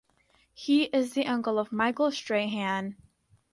He is the uncle of Michael Strahan.